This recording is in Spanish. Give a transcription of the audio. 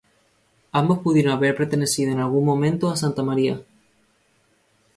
Ambos pudieron haber pertenecido en algún momento a Santa María.